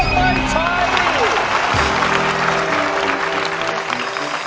ไม่ใช้